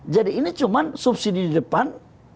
jadi ini cuma subsidi di depan